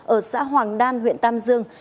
ở xã hoàng đan huyện tam dương